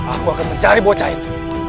aku akan mencari bocah itu